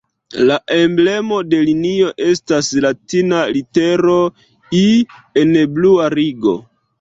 La emblemo de linio estas latina litero "I" en blua ringo.